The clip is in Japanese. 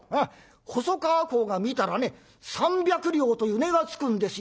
細川侯が見たらね３００両という値がつくんですよ」。